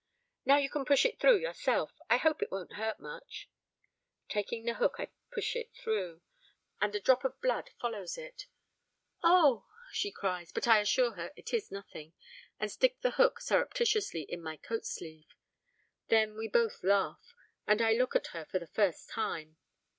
'Now you can push it through yourself. I hope it won't hurt much.' Taking the hook, I push it through, and a drop of blood follows it. 'Oh!' she cries, but I assure her it is nothing, and stick the hook surreptitiously in my coat sleeve. Then we both laugh, and I look at her for the first time.